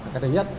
cái thứ nhất